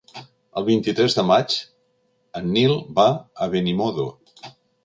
El vint-i-tres de maig en Nil va a Benimodo.